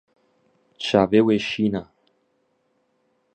Çavên wê şîn e.